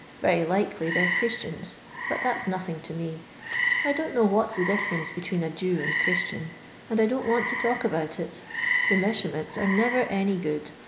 Very likely they 're Christians, bnt that 's nothing to me. I don't know what 's the difference between a Jew and Christian, and I don't want to talk about it The Meshumets are nerer any good.